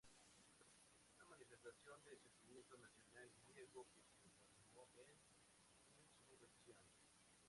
Fue, por tanto, una manifestación del sentimiento nacional griego que se transformó en insurrección.